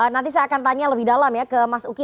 nanti saya akan tanya lebih dalam ya ke mas uki